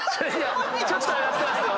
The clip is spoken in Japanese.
ちょっと上がってますよ。